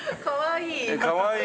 かわいい。